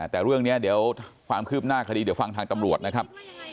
แต่เรื่องนี้เดี๋ยวความคืบหน้าคดีเดี๋ยวฟังทางตำรวจนะครับ